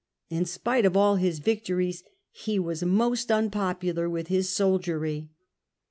In spite of all his victories he was most unpopular with his soldiery.